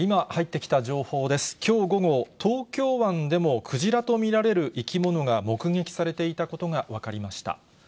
きょう午後、東京湾でもクジラと見られる生き物が目撃されていたことが分かりました。